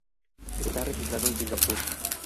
Está registrado en Singapur.